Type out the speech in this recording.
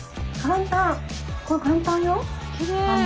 きれい！